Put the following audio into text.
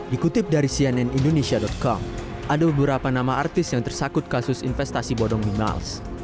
dikutip dari cnn indonesia com ada beberapa nama artis yang tersangkut kasus investasi bodong mimiles